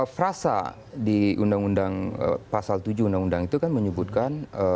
frasa di undang undang pasal tujuh undang undang itu kan menyebutkan